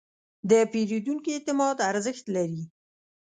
د پیرودونکي اعتماد ارزښت لري.